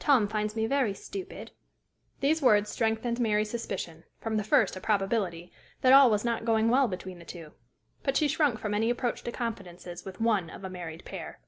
Tom finds me very stupid." These words strengthened Mary's suspicion, from the first a probability, that all was not going well between the two; but she shrunk from any approach to confidences with one of a married pair.